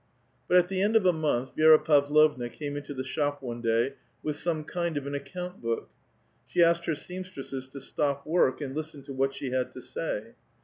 But at the end of a month Vi^ra Pavlovna came into the shop one day with some kind of an account book ; she asked her seamstresses to stop work, and listen to what she had to sav.